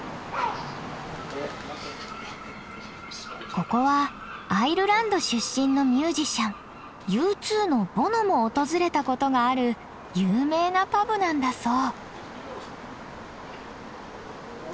ここはアイルランド出身のミュージシャンＵ２のボノも訪れたことがある有名なパブなんだそう。